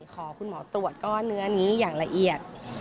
ขอคุณหมอตรวจก้อนเนื้อนี้อย่างละเอียด